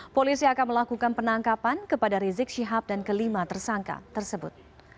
polisi akan melakukan penangkapan kepada rizik syihab dan kelima tersangka tersebut